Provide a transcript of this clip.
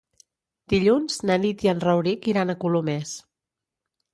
Dilluns na Nit i en Rauric iran a Colomers.